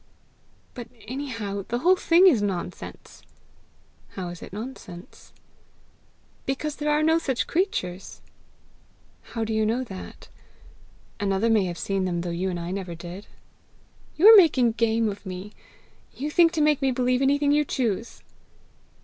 "But anyhow the whole thing is nonsense!" "How is it nonsense?" "Because there are no such creatures." "How do you know that? Another may have seen them though you and I never did!" "You are making game of me! You think to make me believe anything you choose!"